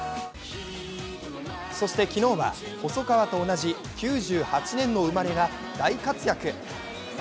そして昨日は細川と同じ９８年の生まれが大活躍。